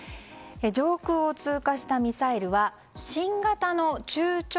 上空を通過したミサイルは新型の中長